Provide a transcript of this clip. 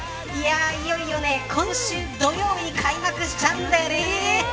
いよいよ今週土曜日に開幕しちゃうんだよね。